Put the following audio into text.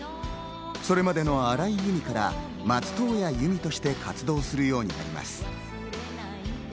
それまでの荒井由実から松任谷由実として活動するようになります。